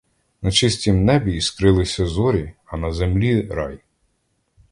На чистім небі іскрилися зорі, а на землі рай.